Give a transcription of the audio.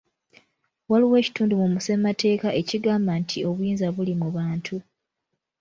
Waliwo ekitundu mu ssemateeka ekigamba nti obuyinza buli mu bantu.